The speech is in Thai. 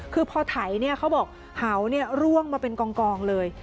คือพอไถเขาบอกเหาร่วงมาเป็นกองเลย